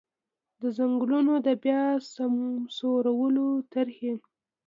د ځنګلونو د بیا سمسورولو طرحې.